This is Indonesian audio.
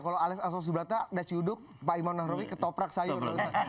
kalau ales asal subata nasi uduk pak iwan norris ketoprak sayur